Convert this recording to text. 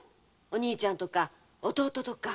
お兄ちゃんとか弟とか。